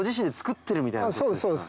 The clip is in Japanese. そうです